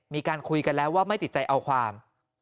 มีการคุยกันแล้วว่าไม่ติดใจเอาความ